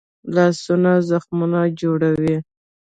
لاسونه زخمونه جوړوي